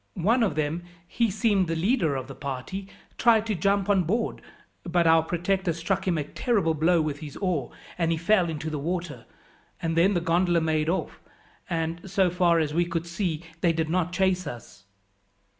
One of them he seemed the leader of the party tried to jump on board, but our protector struck him a terrible blow with his oar, and he fell into the water, and then the gondola made off, and, so far as we could see, they did not chase us."